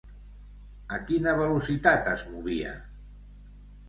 A quina velocitat es movia?